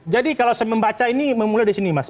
jadi kalau saya membaca ini memulai di sini mas